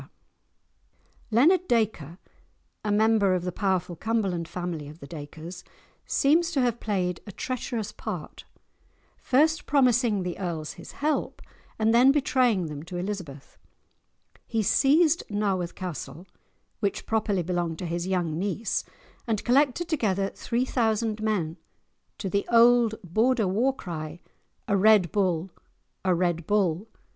[Illustration: Queen Mary crossing the Solway] Leonard Dacre, a member of the powerful Cumberland family of the Dacres, seems to have played a treacherous part, first promising the earls his help, and then betraying them to Elizabeth. He seized Nawarth Castle, which properly belonged to his young niece, and collected together three thousand men to the old Border war cry, "A Red Bull, a Red Bull!"